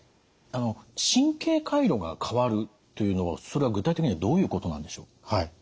あの神経回路が変わるというのはそれは具体的にはどういうことなんでしょう？